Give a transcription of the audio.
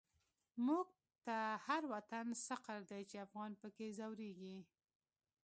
موږ ته هر وطن سقر دی، چی افغان په کی ځوريږی